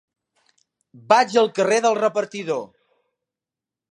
Vaig al carrer del Repartidor.